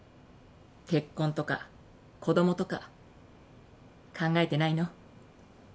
結婚とか子供とか考えてないの？